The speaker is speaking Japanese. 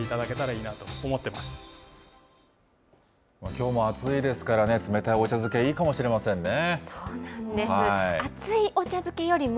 きょうも暑いですからね、冷たいお茶漬け、いいかもしれませんね。